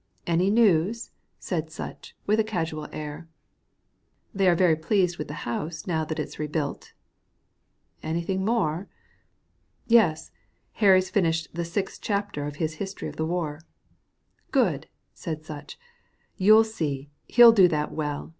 "Any news?" said Sutch, with a casual air. "They are very pleased with the house now that it's rebuilt." "Anything more?" "Yes. Harry's finished the sixth chapter of his history of the war." "Good!" said Sutch. "You'll see, he'll do that well.